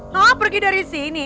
hah pergi dari sini